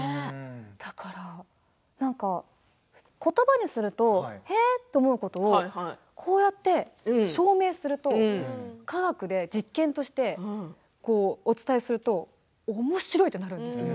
だから言葉にするとへえって思うことをこうやって証明すると科学で実験としてお伝えするとおもしろいってなるんですよ